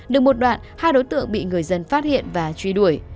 được một đoạn hai đối tượng bị người dân phát hiện và truy đuổi